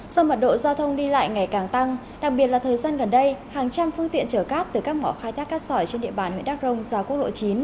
do mật độ giao thông đi lại ngày càng tăng đặc biệt là thời gian gần đây hàng trăm phương tiện chở cát từ các mỏ khai thác cát sỏi trên địa bàn huyện đắk rông ra quốc lộ chín